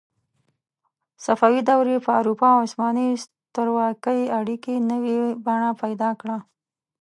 صفوي دورې په اروپا او عثماني سترواکۍ اړیکې نوې بڼه پیدا کړه.